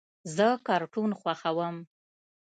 زه کارټون خوښوم.